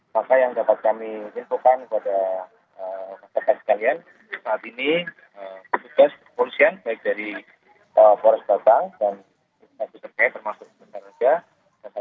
maka yang dapat kami infokan kepada kakien saat ini petugas kepolisian baik dari polres batang dan kekai termasuk di kerajaan